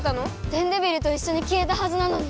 電デビルといっしょにきえたはずなのに。